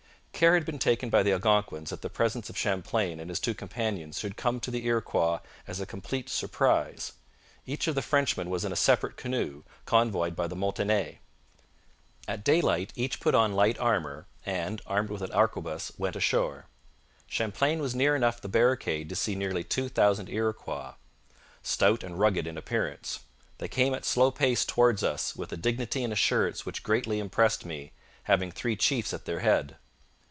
Care had been taken by the Algonquins that the presence of Champlain and his two companions should come to the Iroquois as a complete surprise. Each of the Frenchmen was in a separate canoe, convoyed by the Montagnais. At daylight each put on light armour and, armed with an arquebus, went ashore. Champlain was near enough the barricade to see nearly two hundred Iroquois, 'stout and rugged in appearance. They came at a slow pace towards us, with a dignity and assurance which greatly impressed me, having three chiefs at their head.'